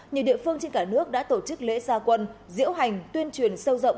nhiều địa phương trên cả nước đã tổ chức lễ gia quân diễu hành tuyên truyền sâu rộng